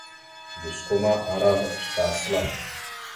Osko ma ara vaɗ slasəla.